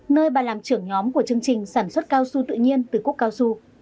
nơi bà làm trưởng nhóm của chương trình sản xuất cao su tự nhiên từ cúc cao su